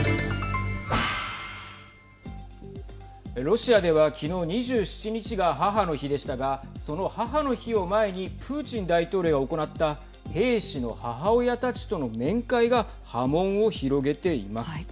ロシアでは昨日２７日が母の日でしたがその母の日を前にプーチン大統領が行った兵士の母親たちとの面会が波紋を広げています。